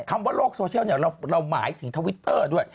คำว่าโลกโซเชียลเราหมายถึงทวิตเตอร์ด้วย